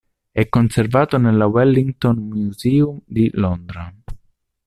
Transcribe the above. È conservato nella Wellington Museum di Londra.